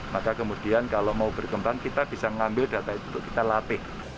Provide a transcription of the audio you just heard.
maka kemudian kalau mau berkembang kita bisa mengambil data itu untuk kita latih